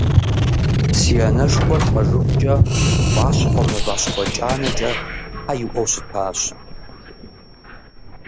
Си анэшхуэр лӏэжыхукӏэ «Уащхъуэ мывэщхъуэ кӏанэкӏэ» тхьэ иӏуэу щытащ.